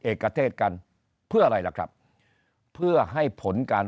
เอกเทศกันเพื่ออะไรล่ะครับเพื่อให้ผลการ